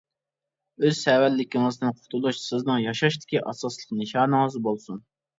ئۆز سەۋەنلىكىڭىزدىن قۇتۇلۇش، سىزنىڭ ياشاشتىكى ئاساسلىق نىشانىڭىز بولسۇن.